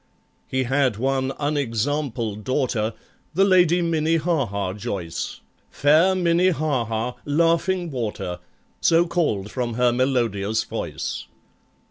He had one unexampled daughter, The LADY MINNIE HAHA JOYCE, Fair MINNIE HAHA, "Laughing Water," So called from her melodious voice.